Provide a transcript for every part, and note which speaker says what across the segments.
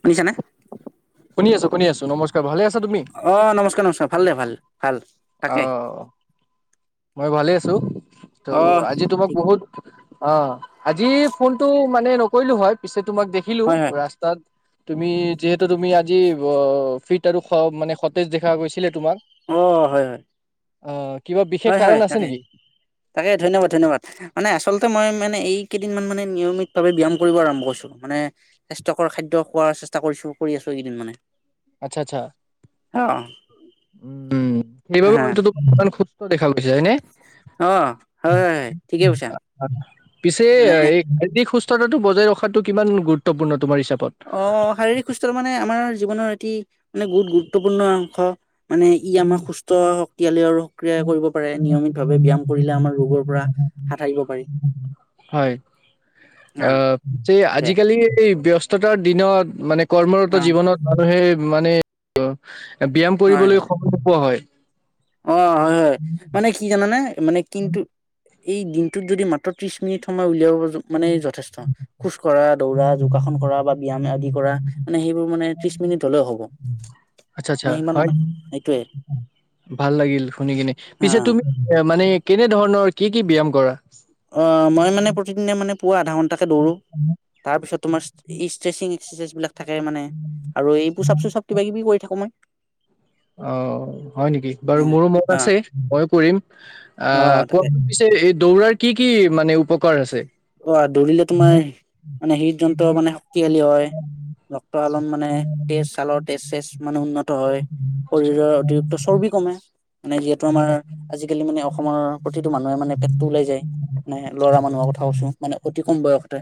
Speaker 1: শুনিছানে?
Speaker 2: শুনি আছো - শুনি আছো নমস্কাৰ ভালে আছা তুমি?
Speaker 1: অ', নমস্কাৰ নমস্কাৰ ভাল দে ভাল ভাল তাকে
Speaker 2: অহ' মই ভালে আছো ত
Speaker 1: অ',
Speaker 2: আজি তোমাক
Speaker 1: ঠিক
Speaker 2: বহুত অহ' আজি ফোনটো মানে নকৰিলো হয় পিছত তোমাক দেখিলো
Speaker 1: হয় হয়
Speaker 2: ৰাস্তাত। তুমি যিহেতু তুমি যি অহ ফিট আৰু মানে সতেজ দেখা গৈছিলে তোমাক।
Speaker 1: অহ' হয়- হয়।
Speaker 2: অ'। কিবা বিশেষ
Speaker 1: হয়
Speaker 2: কাৰণ
Speaker 1: হয়
Speaker 2: আছে
Speaker 1: তাকে,
Speaker 2: নেকি
Speaker 1: তাকে ধন্যবাদ, ধন্যবাদ মানে আচলতে মই মানে এই কেইদিনমান মানে নিয়মিতভাৱে ব্যয়াম কৰিব আৰম্ভ কৰিছো মানে স্বাস্থ্যকৰ খাদ্য খোৱাৰ চেষ্টা কৰিছো কৰি আছো এইকেইদিন মানে।
Speaker 2: আচ্ছা, আচ্ছা।
Speaker 1: অ'। হা
Speaker 2: [unintelligible] দেখা গৈছে হয়নে?
Speaker 1: অ' হয়, হয়, হয় ঠিকে কৈছা মানে
Speaker 2: টো বজাই ৰখাটো কিমান গুৰুত্বপূৰ্ণ। তোমাৰ হিচাপত
Speaker 1: অ', শাৰীৰিক সুস্থ মানে আমাৰ জীৱনৰ এটি মানে বহুত গুৰুত্বপূৰ্ণ অংশ। মানে ই আমাক সুস্থ শক্তিশালী আৰু সক্ৰিয় কৰিব পাৰে নিয়মিতভাৱে ব্যায়াম কৰিলে আমাৰ ৰোগৰ পৰা হাত সাৰিব পাৰি
Speaker 2: [unintelligible] হয়,
Speaker 1: অ
Speaker 2: আ'
Speaker 1: দে
Speaker 2: আজিকালি এই ব্যস্ত ব্যস্ততাৰ দিনত মানে
Speaker 1: অ
Speaker 2: কৰ্মৰত জীৱনত মানুহে মানে ব্যায়াম
Speaker 1: হয়
Speaker 2: কৰিবলৈ
Speaker 1: হয়
Speaker 2: হয়।
Speaker 1: অ' হয় হয় মানে কি জানানে মানে কিন্তু এই দিনটোত যদি মাত্ৰ ত্ৰিশ মিনিট সময় উলিয়াব মানে যথেষ্ট খোজ কঢ়া, দৌৰা, যোগাসন কৰা বা ব্যায়াম আদি কৰা মানে সেইবোৰ মানে ত্ৰিশ মিনিট হ'লেও হ'ব।
Speaker 2: আচ্ছা আচ্ছা
Speaker 1: মানে সিমান
Speaker 2: হয়
Speaker 1: মানে সেইটোৱে
Speaker 2: ভাল লাগিল শুনি কিনে পিছে তুমি এ মানে কেনেধৰণৰ কি কি ব্যায়াম কৰা।
Speaker 1: অ' মই মানে প্ৰতিদিনে মানে পুৱা আধা ঘণ্টাকে দৌৰো তাৰপিছত তোমাৰ ষ্ট্ৰেচিং [unintelligible] এইবিলাক থাকে মানে আৰু এইবোৰ পুচাব চুচাপ কিবা কিবি কৰি থাকো মই।
Speaker 2: অ' হয় নেকি? বাৰু মোৰো মন
Speaker 1: অ
Speaker 2: আছে ময়ো কৰিম অ' কোৱা পিছে এই দৌৰাৰ কি কি মানে উপকাৰ আছে।
Speaker 1: অ' দৌৰিলে তোমাৰ মানে হৃদ যন্ত্ৰ মানে শক্তিশালী হয় ৰক্তশালন মানে তেজ চালৰ তেজ চেজ মানে উন্নত হয়। শৰীৰৰ অতিৰিক্ত চৰ্বি কমে। মানে যিহেতু আমাৰ আজিকালি মানে অসমৰ প্ৰতিটো মানুহে মানে পেটটো ওলাই যায় মানে ল'ৰা মানুহ হক কথা কৈছো মানে অতি কম বয়সতে,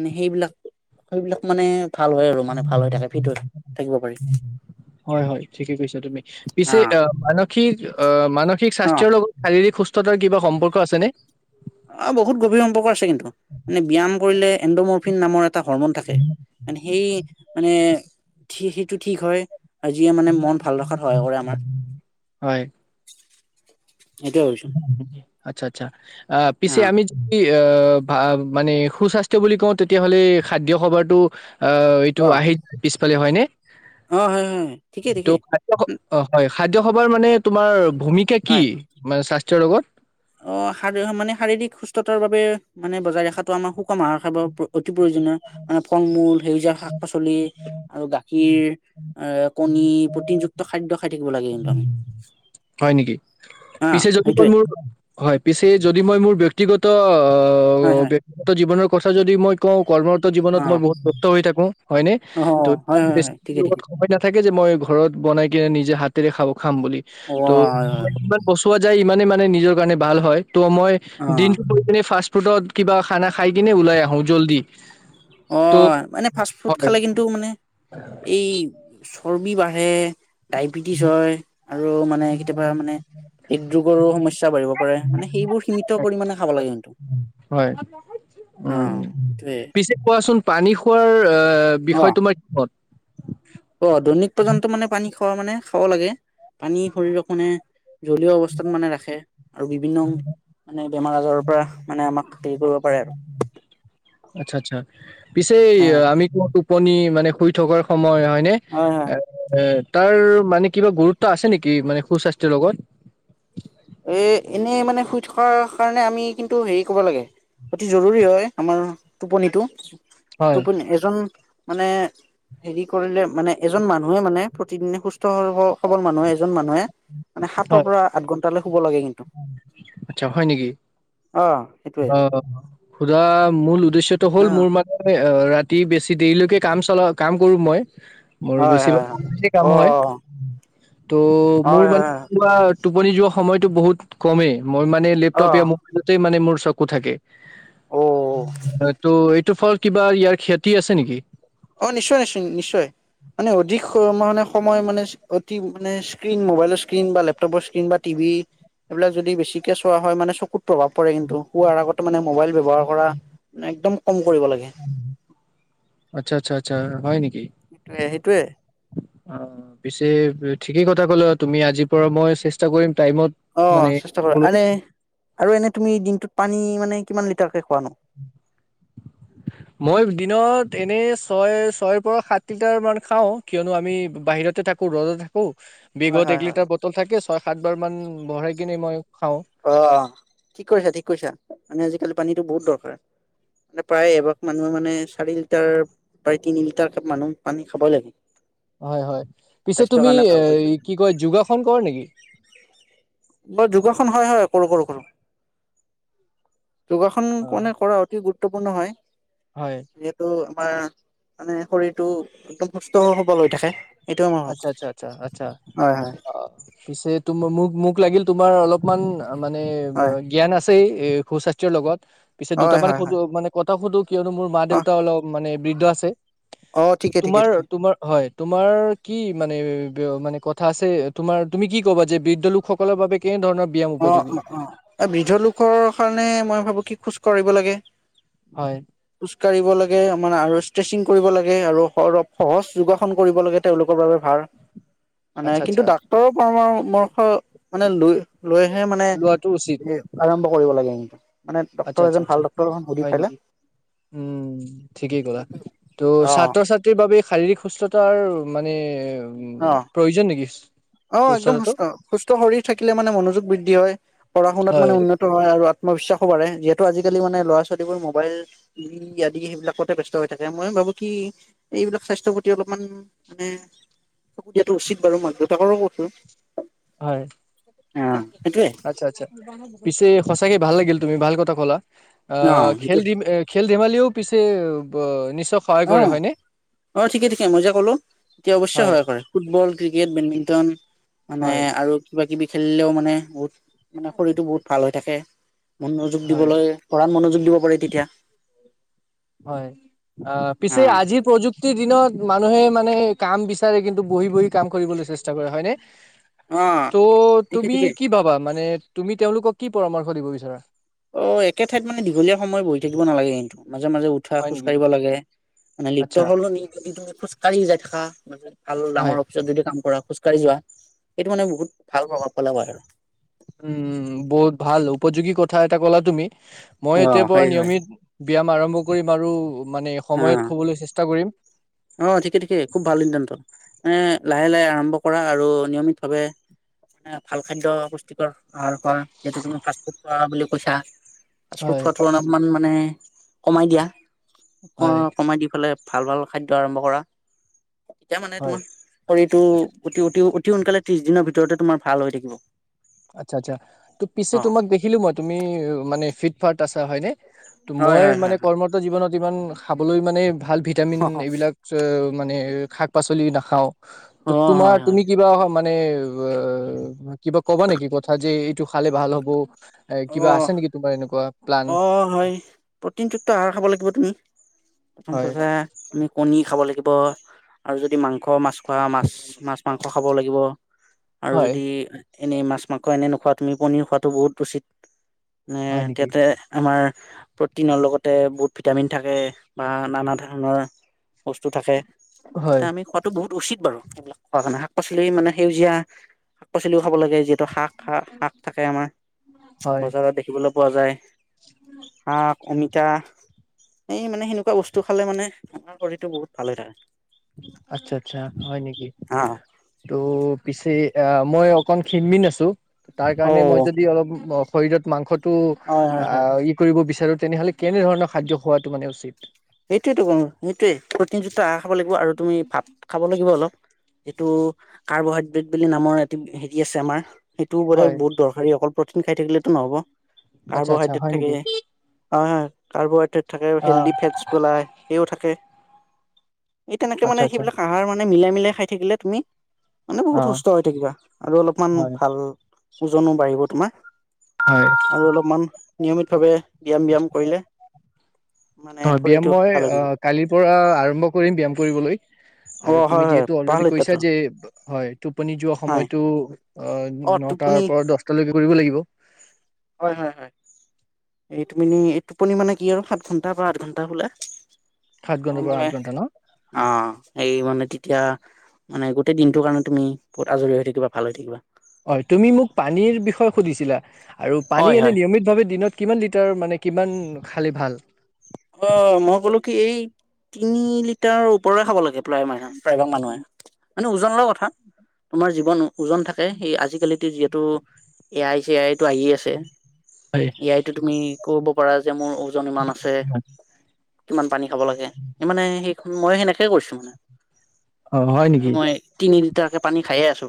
Speaker 1: মানে সেইবিলাক সেইবিলাক মানে ভাল হয় আৰু মানে ভাল হৈ থাকে ফিট হৈ থাকিব পাৰি
Speaker 2: হয়, হয় ঠিকে কৈছা তুমি পিছে
Speaker 1: অ
Speaker 2: অহ, মানসিক অহ, মানসিক
Speaker 1: অ
Speaker 2: স্বাস্থ্যৰ লগত শাৰীৰিক সুস্থ স্থতাৰ কিবা সম্পৰ্ক আছেনে?
Speaker 1: অ', বহুত গভীৰ সম্পৰ্ক আছে কিন্তু এনে ব্যায়াম কৰিলে এণ্ডোমৰফিন নামৰ এট টা হ'ৰমন থাকে মানে সেই মানে ঠি সেইটো ঠিক হয়। আজিয়ে মানে মন ভাল ৰখাত সহায় কৰে আমাৰ।
Speaker 2: হয়।
Speaker 1: সেইটোৱে ভাবিছো
Speaker 2: আচ্ছা, আচ্ছা, আ পিছে আমি যদি এ ভা মানে সুস্বাস্থ্য বুলি কওঁ তেতিয়াহ'লে খাদ্য খভাৰটো অ', এইটো আহিত পিছ ফালে হয়নে?
Speaker 1: অ', হয়, হয়, ঠিকে,
Speaker 2: ত'
Speaker 1: ঠিকে।
Speaker 2: খাদ্য স- অ হয় খাদ্য সভাৰ মানে তোমাৰ ভূমিকা কি?
Speaker 1: হয়।
Speaker 2: মান স্বাস্থ্যৰ লগত
Speaker 1: অ', শাৰ মানে শাৰীৰিক সুস্থতাৰ বাবে মানে বজাই ৰখাটো আমাৰ সুষম আহাৰ খাব বব প্ৰয়োজনীয় মানে ফল-মূল সেউজীয়া শাক পাচলি আৰু গাখীৰ অহ, কণী প্ৰটিনযুক্ত খাদ্য খাই থাকিব লাগে কিন্তু আমি।
Speaker 2: হয় নেকি?
Speaker 1: হা
Speaker 2: পিছে যদি তই
Speaker 1: সেইটোয়ে
Speaker 2: মোৰ হয়, পিছে যদি মই মোৰ ব্যক্তিগত
Speaker 1: হয়,
Speaker 2: অ',
Speaker 1: হয়,
Speaker 2: ব্যক্তিগত জীৱনৰ কথা যদি মই কওঁ কৰ্মৰত জীৱনত মই
Speaker 1: অ',
Speaker 2: বহুত ব্যস্ত হৈ থাকো হয়নে
Speaker 1: অ',
Speaker 2: ত'
Speaker 1: হয়, হয়,
Speaker 2: বেছি
Speaker 1: হয়, ঠিকে,
Speaker 2: লগত
Speaker 1: ঠিকে,
Speaker 2: সময় নাথাকে যে মই ঘৰত বনাই কিনে নিজে হাতেৰে খাব খাম বুলি।
Speaker 1: অ',
Speaker 2: ত'
Speaker 1: হয়, হয়,
Speaker 2: একবাৰ পচোৱা যায় মানে মানে নিজৰ কাৰণে ভাল হয়। ত' মই
Speaker 1: অ',
Speaker 2: দিনটো কৰি ফাৰ্ষ ফ্ৰুটত কিবা খানা খাই কিনে ওলাই আহো জল্দি। ত'
Speaker 1: অ', মানে ফাষ্ট ফুড
Speaker 2: হয়
Speaker 1: খালে কিন্তু মানে এই [unintelligible] বাঢ়ে। ডায়বেটিছ হয় আৰু মানে কেতিয়াবা মানে হৃদৰোগৰো সমস্যা বাঢ়িব পাৰে মানে সেইবোৰ সীমিত পৰিমাণে খাব লাগে কিটো
Speaker 2: হয় উম
Speaker 1: অ', সেই
Speaker 2: পিছে কোৱাচোন পানী খোৱাৰ অ', বিষয় তোমাৰ কি ক'ত
Speaker 1: অ' দৈনিক পৰ্যন্ত মানে পানী খোৱা মানে খাব লাগে পানী শৰীৰক মানে জলীয় অৱস্থাত মানে ৰাখে আৰু বিভিন্ন মানে বেমাৰ আজাৰৰ পৰা মানে আমাক হেৰি কৰিব পাৰে আৰু
Speaker 2: আচ্ছা আচ্ছা পিছে
Speaker 1: অ
Speaker 2: আমি ক টোপনি মানে শুই থকাৰ সময় মই হয়নে
Speaker 1: হয় হয়
Speaker 2: এ তাৰ মানে কিবা গুৰুত্ব আছে নেকি মানে সুস্বাস্থ্যৰ লগত [inaudible]
Speaker 1: এ এনেই মানে শুই থকাৰ কাৰণে আমি কিন্তু হেৰি কব লাগে অতি জৰুৰী হয় আমাৰ টোপনিতটো
Speaker 2: হয়,
Speaker 1: টোপনি এজন মানে হেৰি কৰিলে মানে এজন মানুহে মানে প্ৰতিদিনে সুস্থ স সবল মানুহে এজন মানুহে মানে সাতৰ
Speaker 2: হয়।
Speaker 1: পৰা আঠ ঘন
Speaker 2: আচ্ছা হয় নেকি
Speaker 1: অ সেইটোৱে
Speaker 2: অহ সুধা মূল উদ্দেশ্যয়টো হ'ল
Speaker 1: অ
Speaker 2: মোৰ মাজৰে ৰাতি বেছি দেৰিলৈকে কাম চলা কাম কৰোঁ মই [inaudible] মোৰ
Speaker 1: হয়-
Speaker 2: বেছিভাগ
Speaker 1: হয়
Speaker 2: অনলাইনে কাম
Speaker 1: অ
Speaker 2: হয়।
Speaker 1: [inaudible]
Speaker 2: ত' মোৰ
Speaker 1: হয় হয়
Speaker 2: মানে
Speaker 1: হয়
Speaker 2: কিবা টোপনি যোৱা সময়টো বহুত কমে মই মানে
Speaker 1: অ
Speaker 2: লেপটপ মোবাইলতেই মানে মৰ চকু থাকে
Speaker 1: অ
Speaker 2: ত' এইটো ফলত কিবা ইয়াৰ খেতি আছে নেকি [inaudible]
Speaker 1: অ নিশ্চয় নিশ্চয় নিশ্চয় মানে অধিক মানে সময় মানে অতি মানে স্ক্ৰীন মোবাইলৰ স্ক্ৰীণ বা লেপটপৰ স্ক্ৰীণ বা টিভি এইবিলাক যদি বেছিকে চোৱা হয় মানে চকুত প্ৰভাৱ পৰে কিন্তু শোৱাৰ আগতে মানে মোবাইল ব্যৱহাৰ কৰা মে একদম কম কৰিব লাগে [inaudible]
Speaker 2: আচ্ছা -আচ্ছা হয় নেকি
Speaker 1: সেইটোয়ে সেইটোৱে [inaudible]
Speaker 2: অ 'পিছে ঠিকেই কথা ক'ল তুমি আজিৰ পৰা মই চেষ্টা কৰিম টাইমত মানে
Speaker 1: অ' চেষ্টা কৰা
Speaker 2: খাবলৈ।
Speaker 1: আনে আৰু এনে তুমি দিনটোত পানী মানে কিমান লিটাৰকে খোৱ নো [inaudible]
Speaker 2: মই দিনত এনেই ছয় ছয়ৰ পৰা সাত লিটাৰ মান খাও কিয়নো আমি বাহিৰতে থাকো ৰ'দত থাকো
Speaker 1: হয়
Speaker 2: বিগত এক
Speaker 1: হয় হয়
Speaker 2: লিটাৰ বটল থাকে ছয় সাত বাৰ মান। বঢ়ই কিনে মই। খাওঁ
Speaker 1: অ' ঠিক কৰিছা ঠিক কৰিৈছা মানে আজিকালি পানীত। সটো বহুত দৰকাৰ মানে প্ৰায় এবাগ মানুহে মানে চাৰি লিটাৰ প্ৰ তিনি লিটাৰ মানুহ পানী খাবই লাগে।
Speaker 2: হয় -হয় পিছে
Speaker 1: স্বাস্থ্যৰ
Speaker 2: তুমি
Speaker 1: কাৰণে
Speaker 2: এ
Speaker 1: ভাল কৈছা।
Speaker 2: কি কয় যোগাসন কৰ নেকি!
Speaker 1: বৰ হয় হয় কৰো কৰো কৰো যোগাসন
Speaker 2: অ
Speaker 1: মানে কৰা অতি গুৰুত্ব। গুৰুত্বপূৰ্ণ হয়।
Speaker 2: হয়
Speaker 1: যিহেতু আমাৰ মানে শৰীৰটো একদম সুস্থ হব লৈ থাকে। এইটোৱে মই ভাবো
Speaker 2: আচ্ছা- আচ্ছা - আচ্ছা - আচ্ছা
Speaker 1: হয় হয়
Speaker 2: অহ পিছে মোক -মোক লাগিল তোমাৰ অলপমান মানে
Speaker 1: হয়
Speaker 2: জ্ঞান আছে। হে সু স্বাস্থ্যৰ লগত। পিছে দুটা
Speaker 1: হয়
Speaker 2: মানে
Speaker 1: হয়
Speaker 2: সুধো
Speaker 1: হয়
Speaker 2: মান কত ত সুদো। কিয়নো মোৰ মা
Speaker 1: অ
Speaker 2: দেউতা অলপ মানে বৃদ্ধ আছে।
Speaker 1: অ ঠিকে ঠিকে ঠিকে।
Speaker 2: তোমাৰ- তোমাৰ হয় তোমাৰ মানে-মানে কথা আছে তোমাৰ তুমি কি কবা যে বৃদ্ধ লোকসকলৰ বাবে কেনে ধৰণৰ ব্যায়াম
Speaker 1: অহ -
Speaker 2: উপযোগী
Speaker 1: অহ - অহ বৃদ্ধ লোকৰ কাৰণে মই ভাবো কি খোজ কৰিব লাগে।
Speaker 2: হয়
Speaker 1: খোজ কাঢ়িব লাগে আমাৰ আৰু ষ্ট্ৰেচিং কৰিব লাগে আৰু সহজ যোগাসন কৰিব লাগে তেওঁলোকৰ বাবে ভাল। মানে
Speaker 2: আচ্ছা আচ্ছা
Speaker 1: কিন্তু ডাক্তৰৰ পৰামৰ্শ মানে লৈ। লৈহে মানে
Speaker 2: লোৱাটো উচিত
Speaker 1: আৰম্ভ কৰি লাগে। মানে
Speaker 2: আচ্ছা
Speaker 1: ডক্তৰ
Speaker 2: - আচ্ছা -
Speaker 1: এজন ভাল
Speaker 2: আচ্ছা
Speaker 1: ডক্তৰ এখন সুধি
Speaker 2: হয়
Speaker 1: পেলাই
Speaker 2: নেকি উম ঠিকেই কলা ত'
Speaker 1: অ
Speaker 2: ছাত্ৰ ছাত্ৰীৰ বাবোব শাৰীৰিক সুস্থতাৰ মানে। উম
Speaker 1: অহ
Speaker 2: প্ৰয়োজন নেকি
Speaker 1: - অহ একদম
Speaker 2: সুস্থতাটো
Speaker 1: সুস্থ - সুস্থ শৰীৰ থাকিলে মানে মনোযোগ বৃদ্ধি হয়। পঢ়া শুনাত মানে
Speaker 2: হয়
Speaker 1: উন্নত হয় আৰু ই বিশ্বাসো বাঢ়ে যিহেতু আজিকালি মানে ল'ৰা ছোৱালীবোৰ মোবাইল আদি সেইবিলাকতে ব্যস্ত হৈ থাকে মই ভাবো কি এইবিলাক স্বাস্থ্যৰ প্ৰতি অলপমান মানে তাকো দিয়াটো উচিত বাৰু মানটো তাকো কতো।
Speaker 2: হয়
Speaker 1: সেইটোয়ে
Speaker 2: আচ্ছা- আচ্ছা পিছে সচাকে ভাল লাগিল, তুমি ভাল কথা কলা।
Speaker 1: অ
Speaker 2: অহ '
Speaker 1: সেইটো
Speaker 2: খেল দিম এখ খেল ধেমালিও পিছে ব
Speaker 1: অহ - অহ ঠিকে-ঠিকে মই যে কলো এতিয়া অৱশ্যে
Speaker 2: হয়
Speaker 1: সহায় কৰে ফুটবল, ক্ৰিকেট, বেডমি টন। মানে
Speaker 2: হয়
Speaker 1: আৰু কিবা কিবি খেলিলেও মানে বহুত মানে শৰীৰটো বহুত ভাল হয়। তাকে। মনোযোগ
Speaker 2: হয়
Speaker 1: দিবলৈ, পঢ়াত মনোযোগ দিব পাৰে তেতিয়া।
Speaker 2: হয়। অ', পিছে আজিৰ প্ৰযুক্ প্ৰতি দিনত মানুহে মানে কাম বিচাৰে, কিন্তু বহি বহি কাম কৰিবলৈ চেষ্টা কৰে, হয়নে?
Speaker 1: অ
Speaker 2: ত',
Speaker 1: ঠিকে
Speaker 2: তুমি
Speaker 1: ঠিকে
Speaker 2: কি ভাবা, মানে তুমি তেওঁলোকক কি পৰামৰ্শ দিব বিচাৰা?
Speaker 1: অ একে ঠাইত মানে দীঘলীয়া সময় বহি থাকিব নালাগে কিন্তু মাজে মাজে উঠা,
Speaker 2: হয়
Speaker 1: খোজ
Speaker 2: নেকি?
Speaker 1: কাঢ়িব লাগে। মানে
Speaker 2: আচ্ছা
Speaker 1: লিফ্টৰ সলনি তুমি ধৰা খোজকাঢ়ি যায় থাকা। [unintelligible] ভাল ডাঙৰ
Speaker 2: হয়
Speaker 1: অফিচত যদি কাম কৰা। খোজকাঢ়ি যোৱা, এইটো মানে বহুত ভাল প্ৰভাৱ পেলাব আৰু
Speaker 2: উম, বহুত ভাল, উপযোগী কথা এটা ক'লা তুমি। মই
Speaker 1: অ
Speaker 2: এতিয়াৰ পৰা
Speaker 1: হয় হয়
Speaker 2: নিয়মিত ব্যায়াম আৰম্ভ কৰি আৰু মানে,
Speaker 1: অ
Speaker 2: সময়ত শুবলৈ চেষ্টা কৰিম।
Speaker 1: অ', ঠিকে ঠিকে, খুব ভাল সিদ্ধান্ত, এ লাহে লাহে আৰম্ভ কৰা আৰু নিয়মিতভাৱে, মানে ভাল খাদ্য, পুষ্টিকৰ আহাৰ খোৱা যিহেতু তুমি ফাষ্ট ফুড খোৱা বুলি পইছা ফাষ্টফুড
Speaker 2: হয়।
Speaker 1: খোৱাটো মানে, অলপমান মানে কমাই দিয়া।
Speaker 2: হয়
Speaker 1: অ', কমাই দি পেলাই ভাল- ভাল খাদ্য আৰম্ভ কৰা। তেতিয়া মানে
Speaker 2: হয়
Speaker 1: তোমাৰ শৰীৰটো অতি অতি অতি সোনকালে ত্ৰিশ দিনৰ ভিতৰতে তোমাৰ ভাল হৈ থাকিব।
Speaker 2: আচ্ছা -আচ্ছা ত পিছে
Speaker 1: অ
Speaker 2: তোমাক দেখিলো মই তুমি মানে ফি [unintelligible] আছা হয়নে ত
Speaker 1: হয়
Speaker 2: মই
Speaker 1: হয়
Speaker 2: মানে
Speaker 1: হয় হয়।
Speaker 2: কৰ্মৰত জীৱনত। ইমান খাবলৈ মানে। ভাল ভিটামিন এইবিলাক য মানে শাক-পাচলি নাখাওঁ। ত'
Speaker 1: অ
Speaker 2: তোমাৰ
Speaker 1: হয় হয়
Speaker 2: তুমি কিবা অহা মান মানে অ', কিবা ক'বা নেকি কথা যে এইটো খালে ভাল হ'ব? এ কিবা আছে
Speaker 1: অ',
Speaker 2: নেকি তোমাৰ এনেকুৱা প্লান
Speaker 1: অ', হয় প্ৰটিনযুক্ত আহাৰ খাব লাগিব তুমি। প্ৰথম
Speaker 2: হয়
Speaker 1: কথা আমি কণী খাব লাগিব আৰু যদি মাংস, মাছ খোৱা মাছ মাছ-মাং তা খাব লাগিব। আৰু
Speaker 2: হয়
Speaker 1: যদি এনে মাছ, মাংস এনে নোখোৱা তুমি। পনীৰ খোৱাটো বহুত উচিত এ,
Speaker 2: হয় নেকি
Speaker 1: তাতে আমাৰ প্ৰটিনৰ লগতে বহুত ভিটামিন থাকে। বা নানা ধৰণৰ বস্তু থাকে। তাতে
Speaker 2: হয়
Speaker 1: আমি খোৱাটো বহুত উচিত বাৰু সবিলাক খোৱা কাৰণে শাক পাচলি মানে সেউজীয়া শাক পাচলিও খাব লাগে য টো শাক, শাক থাকে আমাৰ
Speaker 2: হয়
Speaker 1: বজাৰত দেখিবলৈ পোৱা যায়। আহ অমিতা। এই মানে সেনেকুৱা বস্তু খালে মানে আমাৰ শৰীৰটো বহুত ভালে হৈ থাকে।
Speaker 2: আচ্ছা, আচ্ছা হয় নেকি?
Speaker 1: হা
Speaker 2: তৌ পিছে অ, মই অকন খিনি মিন আছো তাৰ
Speaker 1: অ
Speaker 2: কাৰণে মই যদি অলপ শৰীৰত মাংসত টো অ,
Speaker 1: হয় হয় হয়
Speaker 2: ই কৰিব বিচাৰো তেনেহ'লে কেনেধৰণৰ খাদ্য খোৱাটো মানে উচিত?
Speaker 1: সেইটোয়টো কলো। সেইটোৱেই প্ৰটিন যুক্ত আহাৰ খাব লাগিব আৰু তুমি ভাত খাব লাগিব অলপ এইটো কাৰ্বহাইড্ৰেট বুলি নামৰ এটি হেৰি আছে আমাৰ সেইটো বোলে
Speaker 2: হয়
Speaker 1: বহুত দৰকাৰী অকল প্ৰটিন খাই থাকিলেতো নহ'ব
Speaker 2: আচ্ছা আচ্ছা
Speaker 1: কাৰ্বহাইড্ৰেট
Speaker 2: হয়
Speaker 1: থাকে।
Speaker 2: নেকি
Speaker 1: অ, হয় কাৰ্বহাইড্ৰেট থাকে
Speaker 2: অ
Speaker 1: হেল্ডি ফেটছ সেই থাকে। [unintelligible] এই তেনেকে
Speaker 2: আচ্ছা
Speaker 1: মানে
Speaker 2: আচ্ছা
Speaker 1: সেইবিলাক আহাৰ মানে মানে মিলাই মিলাই খাই থাকিলে তুমি মানে
Speaker 2: অ
Speaker 1: বহুত সুস্থ হৈ থাকিবা। আৰু অলপমান
Speaker 2: হয়
Speaker 1: ভাল ওজনো বাঢ়িব তোমাৰ
Speaker 2: হয়
Speaker 1: আৰু অলপমান নিয়মিতভাৱে ব্যায়াম ব্যায়াম কৰিলে। মানে
Speaker 2: হয় ব্যায়াম
Speaker 1: শৰীৰটো
Speaker 2: মই
Speaker 1: ভাল হৈ থাকিব
Speaker 2: কালিৰ পৰা আৰম্ভ কৰিম ব্যায়াম কৰিবলৈ।
Speaker 1: অ
Speaker 2: আৰু
Speaker 1: হয়
Speaker 2: তুমি
Speaker 1: হয়
Speaker 2: যিহেতু
Speaker 1: ভাল
Speaker 2: অলৰেডি
Speaker 1: সিদ্ধান্ত
Speaker 2: কৈছা যে, হয় টোপনি যোৱা
Speaker 1: হয়
Speaker 2: সময়তো অ' নটাৰ পৰা দহটালৈকে কৰিব লাগিব।
Speaker 1: হয়, হয়, হয়। এই টোপনি এই টোপনি মানে কি আৰু সাত ঘন্টাৰ পৰা আঠ ঘন্টা শুলে।
Speaker 2: সাত
Speaker 1: ত'
Speaker 2: ঘন্টাৰ পৰা আঠ
Speaker 1: মানে,
Speaker 2: ঘন্টা ন
Speaker 1: অ'এই মানে এতিয়া মানে গোটেই দিনটোৰ কাৰণে তুমি বহুত আজৰি হৈ থাকিবা ভাল হৈ থাকিবা।
Speaker 2: হয়, তুমি মোক পানীৰ বিষয়ে সুধিছিলা? আৰু
Speaker 1: হয়
Speaker 2: পানী এনে
Speaker 1: হয়
Speaker 2: নিয়মিত ভাৱে দিনত কিমান তাৰ মানে কিমান খালে ভাল।
Speaker 1: অ' মই ক'লো কি এই তিনি লিটাৰৰ ওপৰে খাব লাগে প্ৰায় মানুহে। প্ৰায়ভাগ মানুহে। মানে ওজন লৈ কথা, তোমাৰ জীৱনো ওজন থাকে সেই আজিকালি যিহেতু তটো এ আই চি আইটো আহি আছে।
Speaker 2: হয়
Speaker 1: এ আইটো তুমি কৰিব [unintelligible] যে মোৰ ওজন ইমান আছে। কিমান। পানী খাব লাগে সিমানে সেই মই সেনেকে কৰিছো।
Speaker 2: অ হয় নেকি
Speaker 1: মই তিনি লিটাৰকে পানী খাই আছো।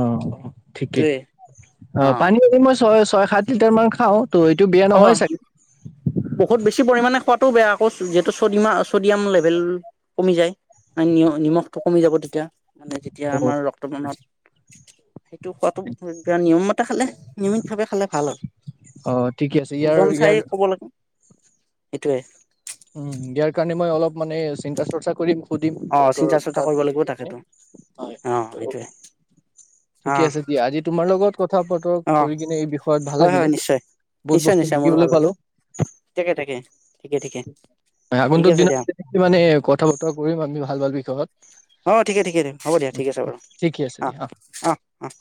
Speaker 2: অ' ঠিকেই
Speaker 1: সেইটোয়ে
Speaker 2: অ' পানী এ মই ছয় ছয় সাত লিটাৰমান খাওঁ। ত' এইটো বেয়া
Speaker 1: অ,
Speaker 2: নহয় চাগে
Speaker 1: বহুত বেছি পৰিমাণে খোৱাত টো বেয়া আকৌ যিহেতু ছ'ডিমা ছ'ডিয়াম লেভেল কমি যায়। নিমখটো কমি যাব তেতিয়া মানে যেতিয়া
Speaker 2: অ
Speaker 1: আমাৰ ৰক্ত পনত [inaudible] সেইটো খোৱাতটো নিয়ম মত টা খালে নিয়মিতভাৱে খালে ভাল হয়।
Speaker 2: অহ '। ঠিকে আছে। ইয়াৰ, ইয়াৰ
Speaker 1: সেইটোৱেই।
Speaker 2: উম, ইয়াৰ কাৰণে মই অলপ মানে চিন্তা চৰ্চা কৰিম সুধিম
Speaker 1: অ,
Speaker 2: ডক্তৰৰ
Speaker 1: চিন্তা চৰ্চা
Speaker 2: তাত
Speaker 1: কৰিব লাগিব
Speaker 2: গৈ কিনে।
Speaker 1: তাকেতো
Speaker 2: হয়
Speaker 1: অ,
Speaker 2: ত
Speaker 1: সেইটোৱেই
Speaker 2: ঠিকে আছে দিয়া। আজি তোমাৰ লগত কথা বতৰা
Speaker 1: অ
Speaker 2: কৰি কিনে এই বিষয়ত ভাল
Speaker 1: হয়
Speaker 2: লাগিলে।
Speaker 1: হয় নিশ্চয়
Speaker 2: বহুত
Speaker 1: নিশ্চয়
Speaker 2: বস্তু
Speaker 1: নিশ্চয় মোৰো
Speaker 2: শিকিবলৈ
Speaker 1: ভাল
Speaker 2: পালো।
Speaker 1: লাগিল তাকে তাকে ঠিকে ঠিকে ঠিক
Speaker 2: আগন্তুক
Speaker 1: আছে
Speaker 2: দিনত
Speaker 1: দিয়া
Speaker 2: মানে কথা বতৰা কৰিম আমি ভাল ভাল, ভাল বিষয়ত।
Speaker 1: অ, ঠিকে ঠিকে দিয়। হ'ব দিয়া ঠিক আছে বাৰু।
Speaker 2: ঠিকে আছে
Speaker 1: অ,
Speaker 2: দিয়া
Speaker 1: অ'। আহ'।